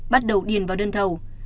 bắt đầu điền vào đơn thầu